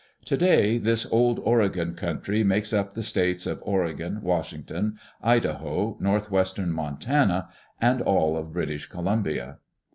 Today this Old Oregon coun try makes up the states of Oregon, Washington, Idaho, Northwest em Montana, and all of British Columbia.